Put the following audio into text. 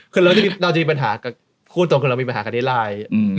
คือเราจะมีปัญหากับพูดตรงคือเรามีปัญหากันที่ไลน์